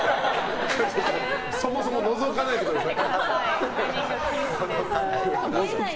そもそものぞかないでください。